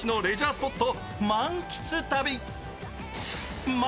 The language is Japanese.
スポット満喫旅。